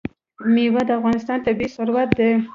مېوې د افغانستان طبعي ثروت دی.